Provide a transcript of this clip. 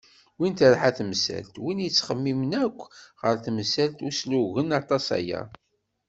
Win terḥa temsalt, win yettxemmimen akk ɣer temsal n uslugen aṭas aya.